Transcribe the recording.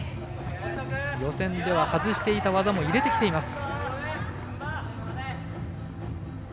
予選では外していた技も入れてきています。